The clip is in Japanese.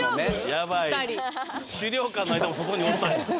ヤバい資料館の間もそこにおったんや民さん